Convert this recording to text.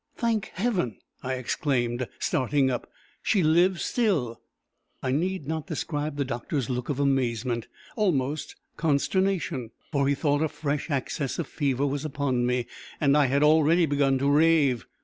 "Thank Heaven!" I exclaimed, starting up, "She lives still." I need not describe the doctor's look of amazement, almost consternation; for he thought a fresh access of fever was upon me, and I had already begun to rave.